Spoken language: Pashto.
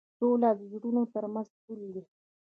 سوله د زړونو تر منځ پُل دی.